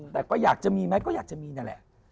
แต่ก็อยากจะมีไหมก็อยากจะมีนั่นแหละ